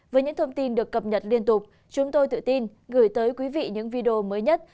với những thông tin được cập nhật liên tục chúng tôi tự tin gửi tới quý vị những video mới nhất